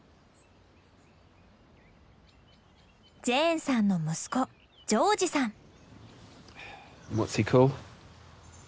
ジェーンさんの息子ジョージさん。